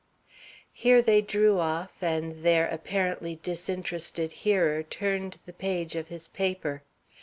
Here they drew off, and their apparently disinterested hearer turned the page of his paper.